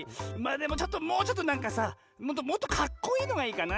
でももうちょっとなんかさもっとカッコいいのがいいかな。